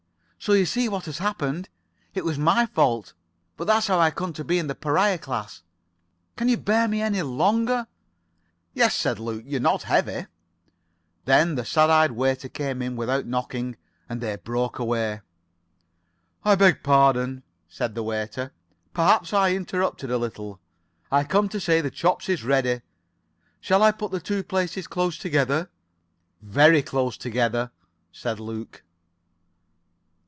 So you see what has happened. It was my fault, but [Pg 85]that's how I come to be in the pariah class. Can you bear me any longer?" "Yes," said Luke, "you're not heavy." And then the sad eyed waiter came in without knocking, and they broke away. "I beg pardon," said the waiter. "Perhaps I interrupt a little. I come to say the chops is ready. Shall I put the two places close together?" "Very close together," said Luke.